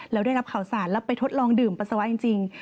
แล้วได้รับข่าวสารแล้วไปทดลองดื่มปัสสาวะจริง